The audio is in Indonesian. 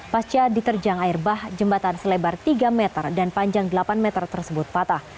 pasca diterjang air bah jembatan selebar tiga meter dan panjang delapan meter tersebut patah